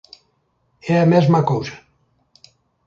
É a mesma cousa.